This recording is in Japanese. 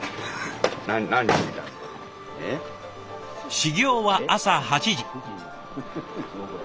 始業は朝８時。